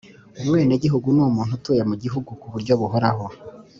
Umwenegihugu ni umuntu utuye mu gihugu kuburyo buhoraho